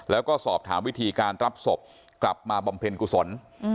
แล้วก็สอบถามวิธีการรับศพกลับมาบำเพ็ญกุศล